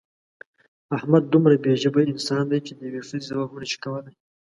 احمد دومره بې ژبې انسان دی چې د یوې ښځې ځواب هم نشي کولی.